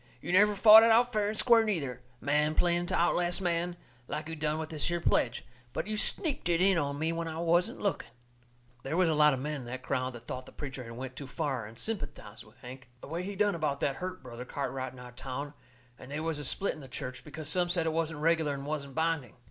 You never fought it out fair and square, neither, man playing to outlast man, like you done with this here pledge, but you sneaked it in on me when I wasn't looking." They was a lot of men in that crowd that thought the preacher had went too far, and sympathized with Hank. The way he done about that hurt Brother Cartwright in our town, and they was a split in the church, because some said it wasn't reg'lar and wasn't binding.